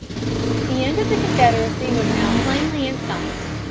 The end of the Confederacy was now plainly in sight.